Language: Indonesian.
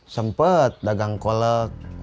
sempet dagang kolek